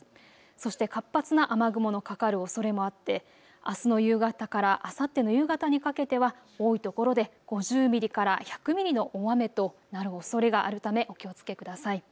そして活発な雨雲のかかるおそれもあって、あすの夕方からあさっての夕方にかけては多いところで５０ミリから１００ミリの大雨となるおそれがあるためお気をつけください。